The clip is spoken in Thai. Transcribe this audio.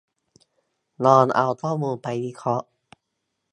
ลองเอาข้อมูลไปวิเคราะห์